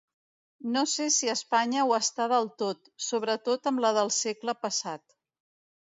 No sé si Espanya ho està del tot, sobretot amb la del segle passat.